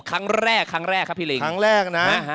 ครั้งแรกครั้งแรกครับพี่ลิงค์